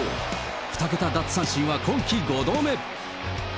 ２桁奪三振は今季５度目。